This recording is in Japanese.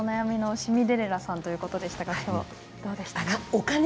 シミデレラさんということでしたがどうでしたか。